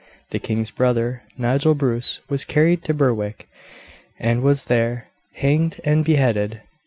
The king's brother, Nigel Bruce, was carried to Berwick, and was there hanged and beheaded.